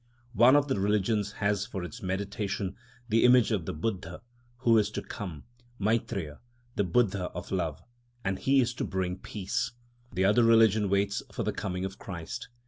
One of the religions has for its meditation the image of the Buddha who is to come, Maitreya, the Buddha of love; and he is to bring peace. The other religion waits for the coming of Christ.